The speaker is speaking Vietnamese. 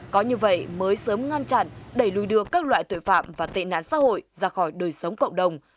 có như vậy mới sớm ngăn chặn đẩy lùi đưa các loại tội phạm và tệ nạn xã hội ra khỏi đời sống cộng đồng